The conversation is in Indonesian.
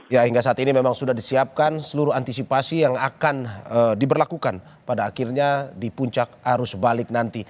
ya hingga saat ini memang sudah disiapkan seluruh antisipasi yang akan diberlakukan pada akhirnya di puncak arus balik nanti